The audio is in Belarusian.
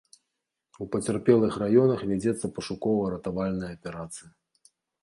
У пацярпелых раёнах вядзецца пошукава-ратавальная аперацыя.